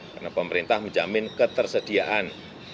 karena pemerintah menjamin ketersediaan